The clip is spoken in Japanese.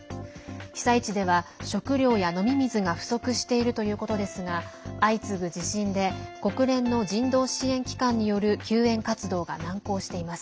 被災地では、食料や飲み水が不足しているということですが相次ぐ地震で国連の人道支援機関による救援活動が難航しています。